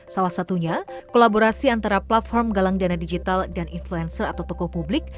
salah satunya kolaborasi antara platform galang dana digital dan influencer atau toko publik